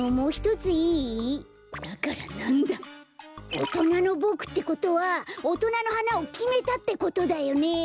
おとなのボクってことはおとなのはなをきめたってことだよね？